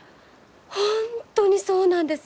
本当にそうなんです！